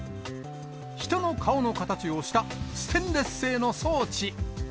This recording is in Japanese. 人の顔の形をした、ステンレス製の装置。